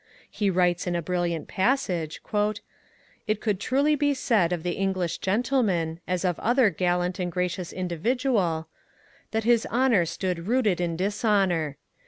He writes in a brilliant passage: It could truly be said of the English gentleman, as of another gallant and gracious individual, that his honour stood rooted in dishonour.